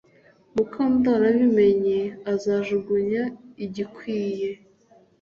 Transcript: Mukandoli abimenye azajugunya igikwiye